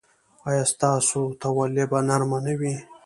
ایا ستاسو تولیه به نرمه نه وي؟